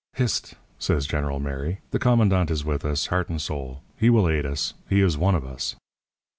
"'Hist!' says General Mary. 'The commandant is with us, heart and soul. He will aid us. He is one of us.'